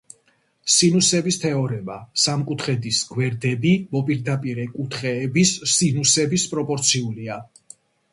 სინუსების თეორემა: სამკუთხედის გვერდები მოპირდაპირე კუთხეების სინუსების პროპორციულია.